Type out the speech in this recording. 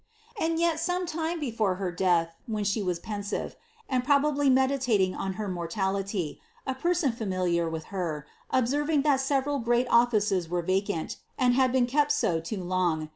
And yet some time before her death, when she was pensive, and probt biy medilating on her mortality, a person familiar with her, observinj that Berenl great offices were iftc&nv, u\& Vwd b«ea kept so too long BLISABBTH.